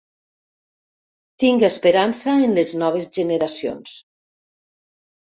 Tinc esperança en les noves generacions.